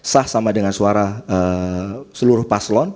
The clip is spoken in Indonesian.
sah sama dengan suara seluruh paslon